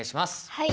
はい。